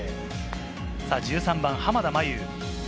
１３番、濱田茉優。